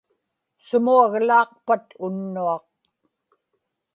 sumuaglaaqpat unnuaq